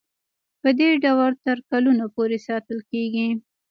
پدې ډول تر کلونو پورې ساتل کیږي.